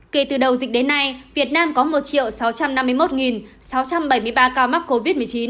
kể từ đầu dịch đến nay việt nam có một sáu trăm năm mươi một sáu trăm bảy mươi ba ca mắc covid một mươi chín